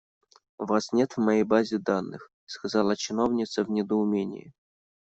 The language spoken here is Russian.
«Вас нет в моей базе данных», - сказала чиновница в недоумении.